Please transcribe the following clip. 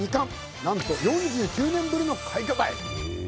なんと４９年ぶりの快挙たい！